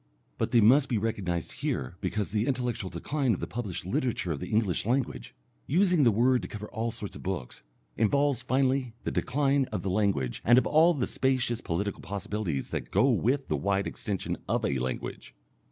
But they must be recognized here because the intellectual decline of the published literature of the English language using the word to cover all sorts of books involves finally the decline of the language and of all the spacious political possibilities that go with the wide extension of a language.